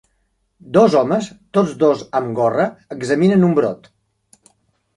Dos homes, tots dos amb gorra, examinen un brot.